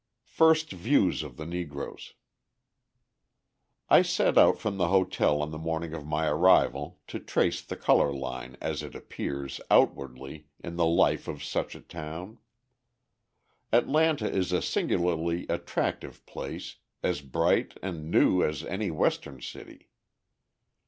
First Views of the Negroes I set out from the hotel on the morning of my arrival to trace the colour line as it appears, outwardly, in the life of such a town. Atlanta is a singularly attractive place, as bright and new as any Western city.